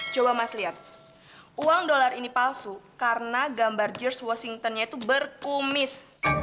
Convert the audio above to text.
coba mas lihat uang dolar ini palsu karena gambar george washington nya itu berkumis